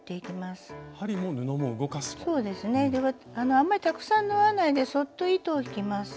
あんまりたくさん縫わないでそっと糸を引きます。